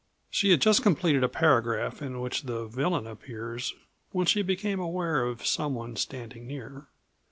She had just completed a paragraph in which the villain appears when she became aware of someone standing near.